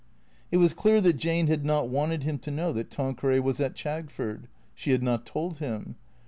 It was clear that Jane had not wanted him to know that Tan queray was at Chagford. She had not told him.